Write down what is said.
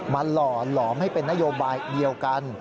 หล่อหลอมให้เป็นนโยบายเดียวกัน